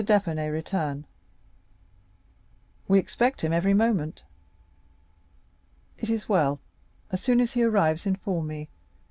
d'Épinay return?" "We expect him every moment." "It is well. As soon as he arrives inform me.